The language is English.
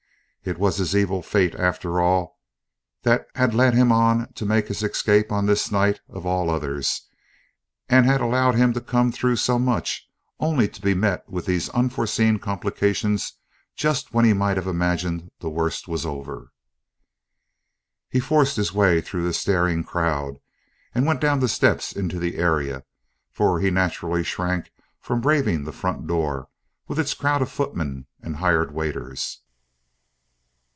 It was his evil fate, after all, that had led him on to make his escape on this night of all others, and had allowed him to come through so much, only to be met with these unforeseen complications just when he might have imagined the worst was over. He forced his way through the staring crowd, and went down the steps into the area; for he naturally shrank from braving the front door, with its crowd of footmen and hired waiters.